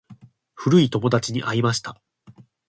古い友達に会いました。